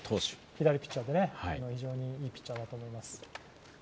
左ピッチャーで、非常にいいピッチャーだと思います。